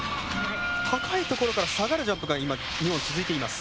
高いところから下がるジャンプが２本、続いています。